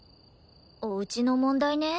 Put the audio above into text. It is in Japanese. おうちの問題ね。